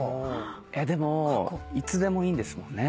でもいつでもいいんですもんね。